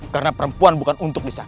karena perempuan bukan untuk disakiti